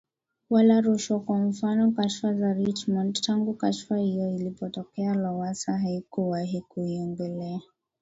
wala rushwa Kwa mfano kashfa ya Richmond Tangu kashfa hiyo ilipotokea Lowassa hakuwahi kuiongelea